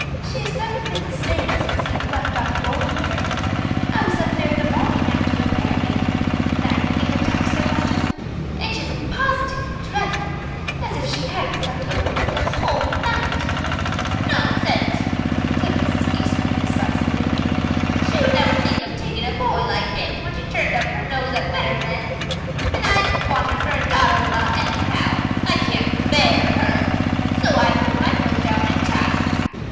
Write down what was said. "She has never been the same since he left off going with her. I was up there the morning after that prayer meeting night people talked so much of, and she looked positively dreadful, as if she hadn't slept a wink the whole night." "Nonsense!" said Mrs. Eastman decisively. "She would never think of taking a boy like him when she'd turned up her nose at better men. And I didn't want her for a daughter in law anyhow. I can't bear her. So I put my foot down in time.